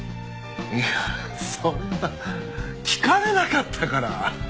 いやそれは聞かれなかったから。